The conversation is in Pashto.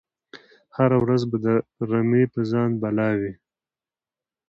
هره ورځ به د رمی په ځان بلا وي